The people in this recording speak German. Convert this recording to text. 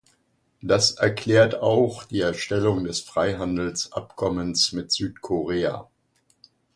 Das erklärt auch die Erstellung des Freihandelsabkommens mit Südkorea.